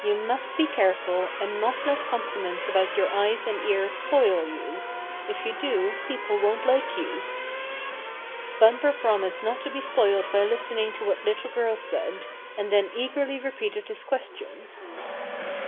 You must be careful, and not let compliments about your eyes and ears spoil you. If you do people won't like you." Bumper promised not to be spoilt by listening to what little girls said, and then eagerly repeated his question.